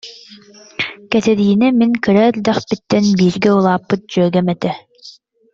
Кэтириинэ мин кыра эрдэхпиттэн бииргэ улааппыт дьүөгэм этэ